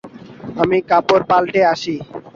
আমি কাপড় পাল্টে আসি।